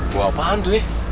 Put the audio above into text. mau apaan tuh ye